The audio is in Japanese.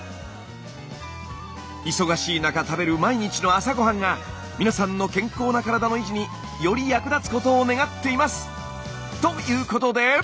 忙しい中食べる毎日の朝ごはんが皆さんの健康な体の維持により役立つことを願っています！ということで！